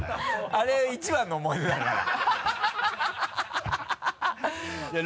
あれ一番の思い出だから